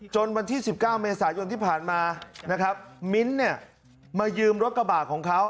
วันที่๑๙เมษายนที่ผ่านมานะครับมิ้นท์เนี่ยมายืมรถกระบะของเขา